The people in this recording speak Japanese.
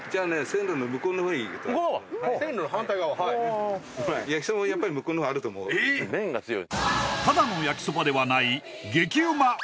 線路の反対側はいはやっぱり向こうのほうがあると思うただの焼きそばではない激うま